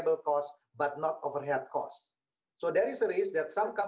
bagus terima kasih terima kasih profesor